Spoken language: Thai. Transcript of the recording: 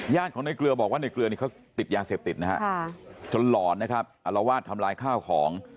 ยากของในเกลือบอกว่านี่ติดยังเสพติดนะฮะจนหล่อนะครับอลวาสทำลายข้าวของ